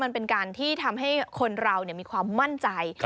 มันเป็นการที่ทำให้คนเรามีความมั่นใจ